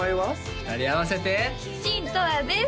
２人合わせてシン・とわです